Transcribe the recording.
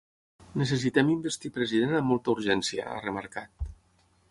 Necessitem investir president amb molta urgència, ha remarcat.